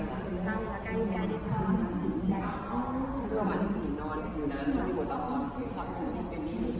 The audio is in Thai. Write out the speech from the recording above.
สำหรับพ่อเด็กน้องอยู่นอนกันอยู่กว่าตอนก่อนคือความห่วงที่เป็นที่เชิญ